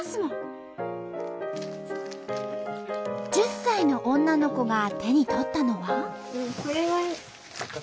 時には１０歳の女の子が手に取ったのは。